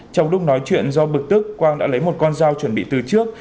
trong lúc nói chuyện do bực tức quang đã lấy một con dao chuẩn bị từ trước